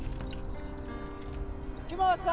木本さん！